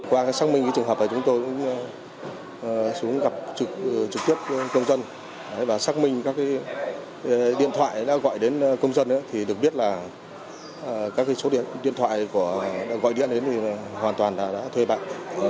qua xác minh cái trường hợp này chúng tôi cũng xuống gặp trực tiếp công dân và xác minh các cái điện thoại đã gọi đến công dân thì được biết là các cái số điện thoại đã gọi điện đến thì hoàn toàn đã thuê bạc